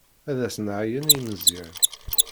Ad as-nɛeyyen i Meẓyan.